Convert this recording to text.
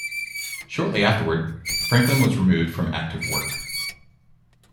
Shortly afterward, Franklin was removed from active work.